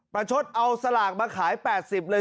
ประชดเอาสลากมาขาย๘๐เลย